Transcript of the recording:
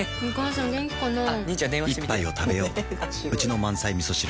一杯をたべよううちの満菜みそ汁